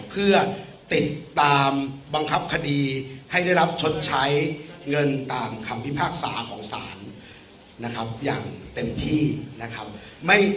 เพื่อติดตามบังคับคดีให้ได้รับชดใช้เงินตามคำพิพากษาของศาลนะครับอย่างเต็มที่นะครับ